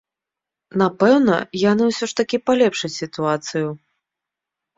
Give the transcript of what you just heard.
Напэўна, яны ўсё ж такі палепшаць сітуацыю.